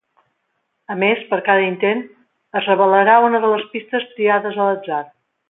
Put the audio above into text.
A més, per cada intent, es revelarà una de les pistes triades a l'atzar.